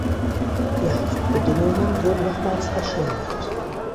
Die Haftbedingungen wurden nochmals verschärft.